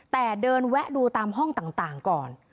แต่เดินแวะดูตามห้องต่างก่อน